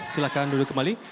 silahkan duduk kembali